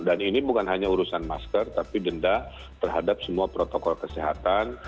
dan ini bukan hanya urusan masker tapi denda terhadap semua protokol kesehatan